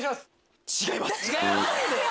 違います。